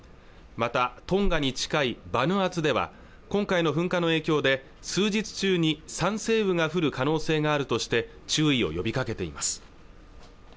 またトンガに近いバヌアツでは今回の噴火の影響で数日中に酸性雨が降る可能性があるとして注意を呼びかけています